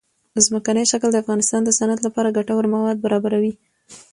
ځمکنی شکل د افغانستان د صنعت لپاره ګټور مواد برابروي.